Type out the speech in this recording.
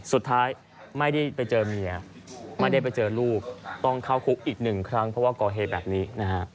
สุดท้ายไม่ได้ไปเจอเมียไม่ได้ไปเจอลูกต้องเข้าคุกอีกหนึ่งครั้งเพราะว่าก่อเหตุแบบนี้นะฮะ